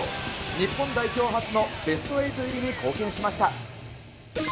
日本代表初のベスト８入りに貢献しました。